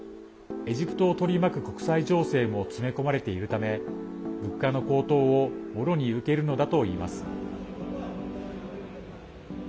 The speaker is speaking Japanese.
エジプトを取り巻く国際情勢も詰め込まれているため物価の高騰をもろに受けるのだといいます。